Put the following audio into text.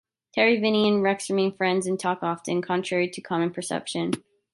Terry, Vinnie and Rex remain friends and talk often, contrary to common perception.